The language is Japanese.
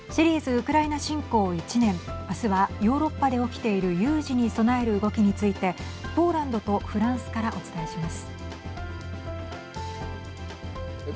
ウクライナ侵攻１年明日はヨーロッパで起きている有事に備える動きについてポーランドとフランスからお伝えします。